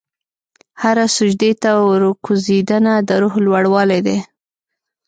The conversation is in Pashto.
هره سجدې ته ورکوځېدنه، د روح لوړوالی دی.